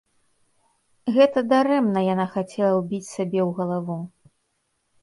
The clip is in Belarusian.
Гэта дарэмна яна хацела ўбіць сабе ў галаву.